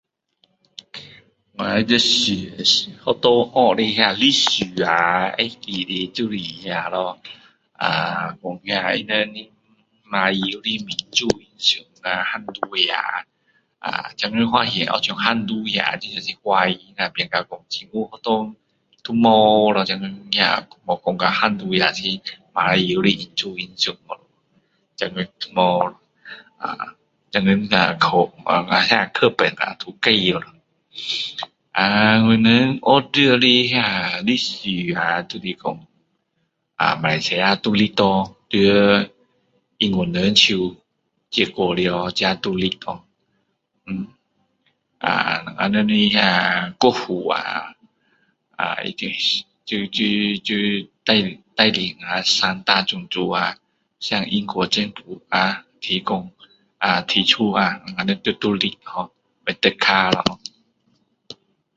我们在学校学的历史呀会记得的就是那个咯呃说那个他们的马来人的民族的汗都呀现在发现那个汗都亚是华人变成政府说都没有了现在没有说到汗都亚马来人民族的现在都没有了呃现在的课本都改了呃我们学到的那个历史呀就是说呃马来西亚独立在英国人手接过来咯自己独立咯呃我们人的那个国父呀带领我们三大种族呀提出我们要独立Merdeka 咯